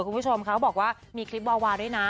คุณผู้ชมเขาบอกว่ามีคลิปวาวาด้วยนะ